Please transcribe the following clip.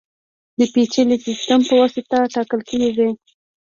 د پېچلي سیستم په واسطه ټاکل کېږي.